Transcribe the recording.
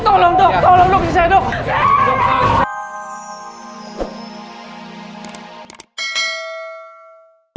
tolong duk tolong duk